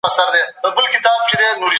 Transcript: د خوب نشتوالی هېرېدنه زیاتوي.